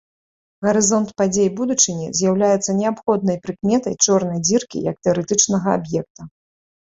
Гарызонт падзей будучыні з'яўляецца неабходнай прыкметай чорнай дзіркі як тэарэтычнага аб'екта.